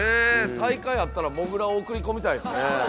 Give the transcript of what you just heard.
大会あったらもぐらを送り込みたいですね。